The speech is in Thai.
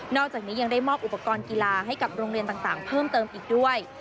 อกจากนี้ยังได้มอบอุปกรณ์กีฬาให้กับโรงเรียนต่างเพิ่มเติมอีกด้วย